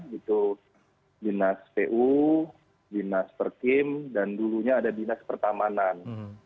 gitu dinas pu dinas perkim dan dulunya ada dinas pertamanan